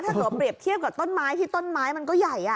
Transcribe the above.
ถ้าเกิดว่าเปรียบเทียบกับต้นไม้ที่ต้นไม้มันก็ใหญ่